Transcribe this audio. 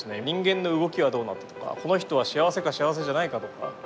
人間の動きはどうなったとかこの人は幸せか幸せじゃないかとか。